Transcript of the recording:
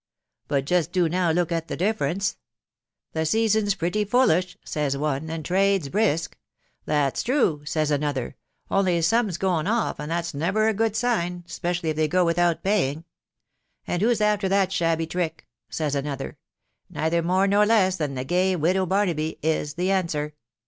But just do now look at the difference. ' The season's pretty fullish/ says one, ' and trade's brisk !•'....' That*! true/ says another, e only some's going off, and that's never t good sign, specially if they go without paying •../ 'And who's after that shabby trick ?' says another :..••' Neither more nor less than the gay widow Barnaby !' is the answer.